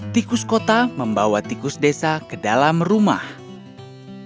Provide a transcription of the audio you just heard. tikus kota membawa tikus desa ke dalam rumah